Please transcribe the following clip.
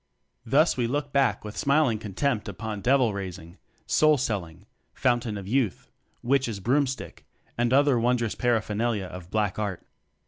Thus we look back with smiling con tempt upon Devil raising, Soul selling, Fountain of youth, Witch's broomstick, and other wondrous para phernalia of "Black Art."